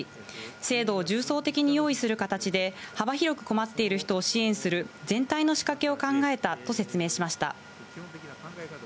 制度を重層的に用意する形で幅広く困っている人を支援する全体の仕掛けを考えたと説明しました。